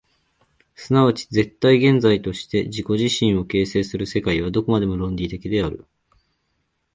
即ち絶対現在として自己自身を形成する世界は、どこまでも論理的である。